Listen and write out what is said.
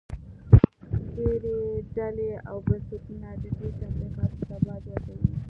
ډېرې ډلې او بنسټونه د دوی تبلیغاتو ته باج ورکوي